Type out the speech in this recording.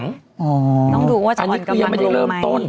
น้องดูว่าจะอ่อนกับวันรุ่นไหม